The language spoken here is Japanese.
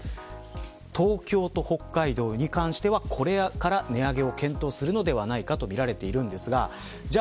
東京と北海道に関してはこれから値上げを検討するのではないかとみられているんですがじゃあ、